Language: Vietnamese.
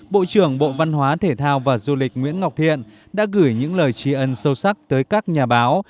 bộ trưởng bộ văn hóa thể thao và du lịch nguyễn ngọc thiện đã gửi những lời trí ân sâu sắc tới các nhà báo